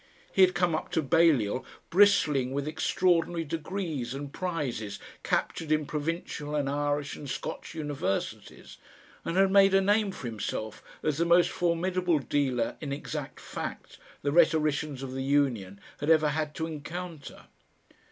He had come up to Balliol bristling with extraordinary degrees and prizes captured in provincial and Irish and Scotch universities and had made a name for himself as the most formidable dealer in exact fact the rhetoricians of the Union had ever had to encounter.